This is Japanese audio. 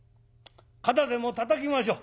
肩でもたたきましょう。